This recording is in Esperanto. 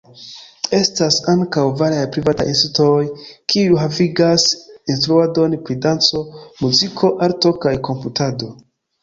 Estas ankaŭ variaj privataj institutoj kiuj havigas instruadon pri danco, muziko, arto kaj komputado.